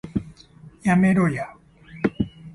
やめろや